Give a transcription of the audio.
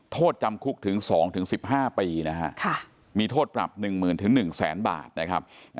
โทษจำคุกถึง๒๑๕ปีนะฮะมีโทษปรับ๑๐๐๐๑๐๐๐บาทนะครับ